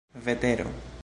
vetero